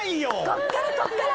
こっからこっから！